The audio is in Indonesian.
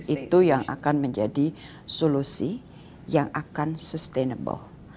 itu yang akan menjadi solusi yang akan sustainable